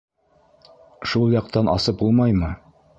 Шул яҡтан асып булмаймы?